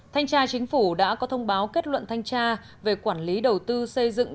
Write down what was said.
thanh tra chính phủ đã có thông báo kết luận thanh tra về quản lý đầu tư xây dựng